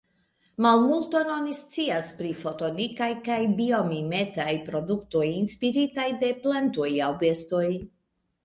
Malmulton oni scias pri fotonikaj kaj biomimetaj produktoj inspiritaj de plantoj aŭ bestoj.